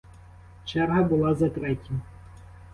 Черга була за третім.